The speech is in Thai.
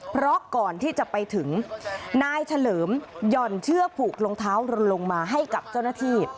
เพราะก่อนที่จะไปถึงนายเฉลิมหย่อนเชือกผูกรองเท้าลงมาให้กับเจ้าหน้าที่